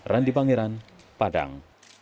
randi bangiran padang